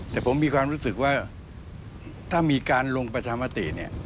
แต่ผมมีความรู้สึกว่าถ้ามีการลงประชามติเนี่ย